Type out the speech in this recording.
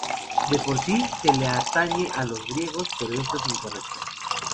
De por sí, se le atañe a los griegos, pero es esto incorrecto.